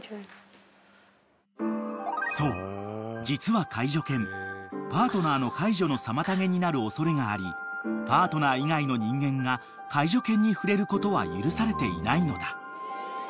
［そう実は介助犬パートナーの介助の妨げになる恐れがありパートナー以外の人間が介助犬に触れることは許されていないのだ］